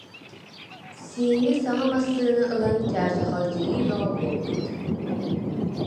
«Сиэнньэ саҥа массыына ылан чаачахалдьыйыы бөҕө буолбут